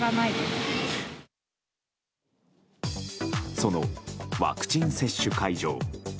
そのワクチン接種会場。